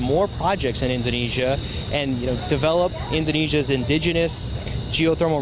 mendukung pengembangan geotermal